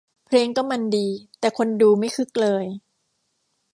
เพลงก็มันดี แต่คนดูไม่คึกเลย